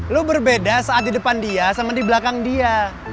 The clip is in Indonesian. lo berbeda saat di depan dia sama di belakang dia